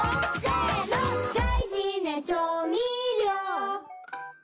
「だいじね調味料！」